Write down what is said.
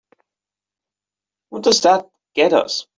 What does that get us?